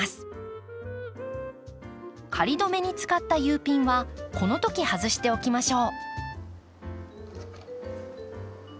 仮止めに使ったＵピンはこの時外しておきましょう。